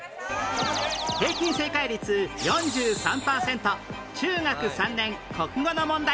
平均正解率４３パーセント中学３年国語の問題